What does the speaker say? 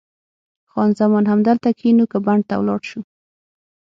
خان زمان: همدلته کښېنو که بڼ ته ولاړ شو؟